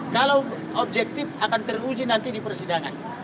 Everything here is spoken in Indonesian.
kalau objektif akan teruji nanti di persidangan